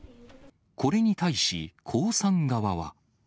これに対し、江さん側は。